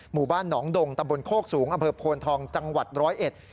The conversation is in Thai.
หมู่บ้านหนองดงตำบลโคกสูงอเผิบโพลทองจังหวัด๑๐๑